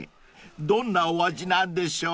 どんなお味なんでしょう？］